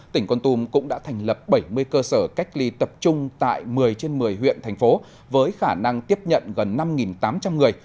tỉnh con tum cũng đã thành lập bảy mươi cơ sở cách ly tập trung tại một mươi trên một mươi huyện thành phố với khả năng tiếp nhận gần năm tám trăm linh người